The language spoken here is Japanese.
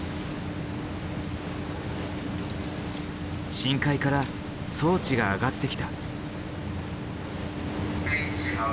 深海から装置が上がってきた。